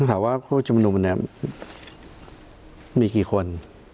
ถามว่าผู้ชุมนุมเนี่ยมีกี่คน